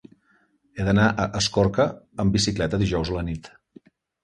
He d'anar a Escorca amb bicicleta dijous a la nit.